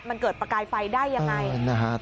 มันเกิดประกายไฟได้ยังไงนะฮะ